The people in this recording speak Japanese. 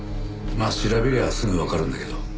まあ調べりゃすぐわかるんだけど。